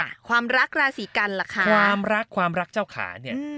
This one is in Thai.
ความรักราศีกันล่ะค่ะความรักความรักเจ้าขาเนี่ย